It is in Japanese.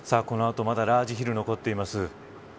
この後、まだラージヒルが残っています。